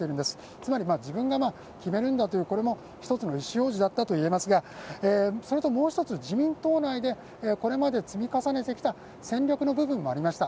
つまり自分が決めるんだという１つの意思表示だったとも言えますがそれともう１つ、自民党内で、これまで積み重ねてきた戦略の部分もありました。